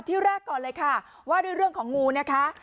ที่แรกก่อนเลยค่ะว่าด้วยเรื่องของงูนะคะ